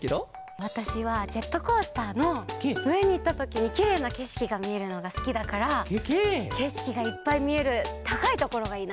わたしはジェットコースターのうえにいったときにきれいなけしきがみえるのがすきだからけしきがいっぱいみえるたかいところがいいな。